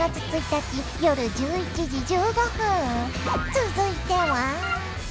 続いては。